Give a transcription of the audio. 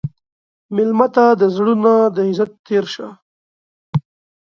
مېلمه ته د زړه نه د عزت تېر شه.